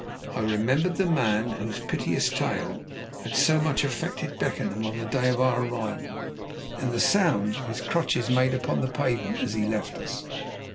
I remembered the man whose piteous tale had so much affected Beckenham on the day of our arrival, and the sound his crutches made upon the pavement as he left us.